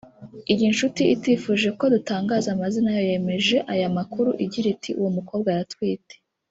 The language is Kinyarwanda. Iyi nshuti itifuje ko dutangaza amazina yayo yemeje aya makuru igira iti “Uwo mukobwa aratwite